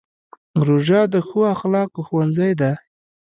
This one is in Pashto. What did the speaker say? روژه د ښو اخلاقو ښوونځی دی.